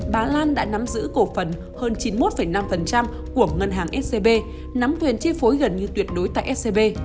bà lan đã nắm giữ cổ phần hơn chín mươi một năm của ngân hàng scb nắm quyền chi phối gần như tuyệt đối tại scb